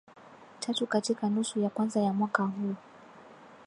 Tatu katika nusu ya kwanza ya mwaka huu